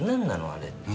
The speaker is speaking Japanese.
あれって。